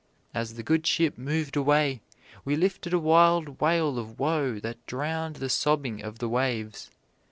As the good ship moved away we lifted a wild wail of woe that drowned the sobbing of the waves.